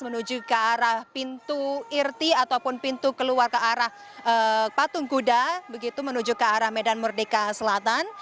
menuju ke arah pintu irti ataupun pintu keluar ke arah patung kuda begitu menuju ke arah medan merdeka selatan